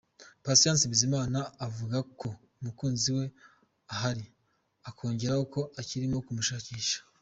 Patient Bizimana avuga ko umukunzi we ahari, akongeraho ko akirimo kumushakisha .